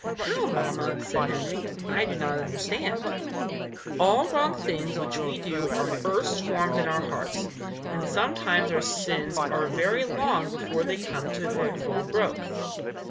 "How, mamma?" said Henry. "I do not understand." Mrs. Fairchild. "All wrong things which we do are first formed in our hearts; and sometimes our sins are very long before they come to their full growth.